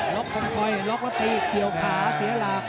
คงคอยล็อกแล้วตีเกี่ยวขาเสียหลัก